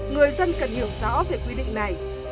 người dân cần hiểu rõ về quy định này